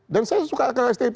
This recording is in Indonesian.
dan saya suka ke stip